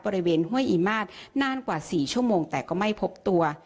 บริเวณห้วยอีมาสนานกว่า๔ชั่วโมงแต่ก็ไม่พบตัว